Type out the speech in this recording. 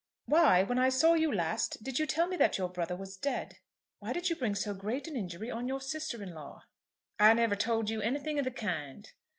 Why, when I saw you last, did you tell me that your brother was dead? Why did you bring so great an injury on your sister in law?" "I never told you anything of the kind."